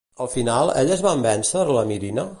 Al final, elles van vèncer la Mirina?